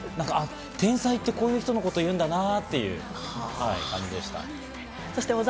天才ってこういう人のことをいうんだなって思いました。